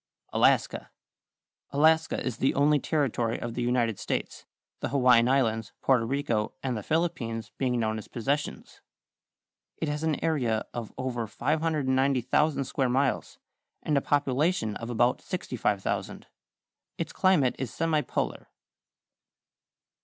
=Alaska.= Alaska is the only territory of the United States, the Hawaiian Islands, Porto Rico, and the Philippines being known as Possessions. It has an area of over 590,000 square miles, and a population of about 65,000. Its climate is semipolar.